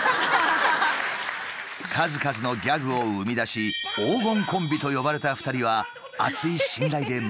数々のギャグを生み出し「黄金コンビ」と呼ばれた２人は厚い信頼で結ばれていた。